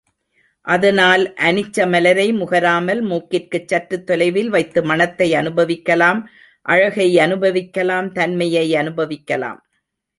அதனால் அனிச்சமலரை முகராமல் மூக்கிற்குச் சற்றுத் தொலைவில் வைத்து மணத்தை அனுபவிக்கலாம் அழகை அனுபவிக்கலாம் தன்மையை அனுபவிக்கலாம்.